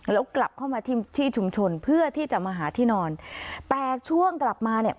แล้วกลับเข้ามาที่ที่ชุมชนเพื่อที่จะมาหาที่นอนแต่ช่วงกลับมาเนี่ย